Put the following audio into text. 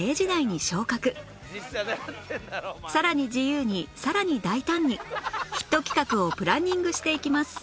さらに自由にさらに大胆にヒット企画をプランニングしていきます